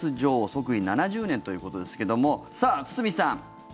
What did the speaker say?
即位７０年ということですけどもさあ、堤さん。